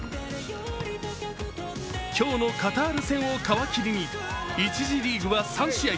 今日のカタール戦を皮切りに１次リーグは３試合。